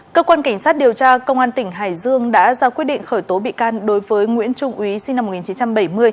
cơ quan cảnh sát điều tra công an tỉnh hải dương đã ra quyết định khởi tố bị can đối với nguyễn trung ý sinh năm một nghìn chín trăm bảy mươi